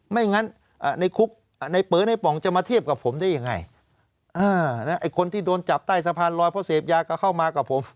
ไม่งั้นในคุกในเป๋อในป่องจะมาเทียบกับผมได้ยังไงไอ้คนที่โดนจับใต้สะพานลอยเพราะเสพยาก็เข้ามากับผม